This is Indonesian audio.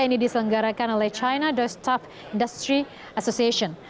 ini diselenggarakan oleh china doestop industry association